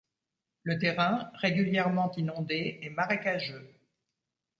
Le terrain, régulièrement inondé, est marécageux.